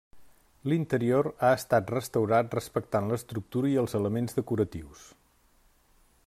L'interior ha estat restaurat respectant l'estructura i els elements decoratius.